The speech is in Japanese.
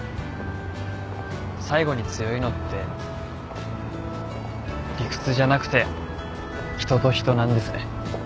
最後に強いのって理屈じゃなくて人と人なんですね。